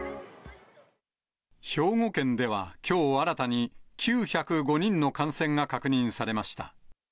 兵庫県ではきょう新たに、９０５人の感染が確認されました。